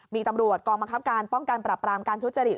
มีตำรวจกองบังคับการป้องกันปรับปรามการทุจริต